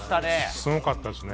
すごかったですね。